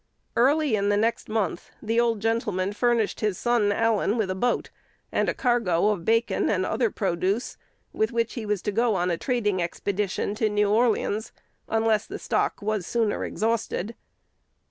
Early in the next month, the old gentleman furnished his son Allen with a boat, and a cargo of bacon and other produce, with which he was to go on a trading expedition to New Orleans, unless the stock was sooner exhausted.